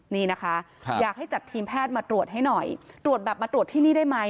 นี่นะคะอยากให้จัดทีมแพทย์มาตรวจให้หน่อยตรวจแบบมาตรวจที่นี่ได้ไหม